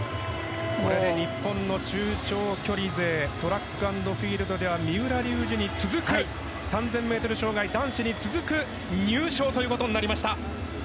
これで日本の中長距離勢トラック＆フィールドでは三浦龍司に続く３０００ｍ障害男子に続く入賞となりました。